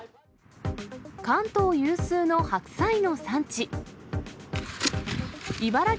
関東有数の白菜の産地。